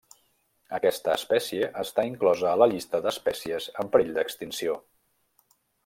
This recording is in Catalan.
Aquesta espècie està inclosa a la llista d'espècies en perill d'extinció.